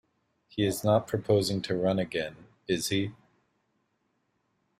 He is not proposing to run again, is he?